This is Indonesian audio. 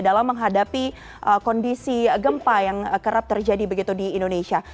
dalam menghadapi kondisi gempa yang kerap terjadi begitu di indonesia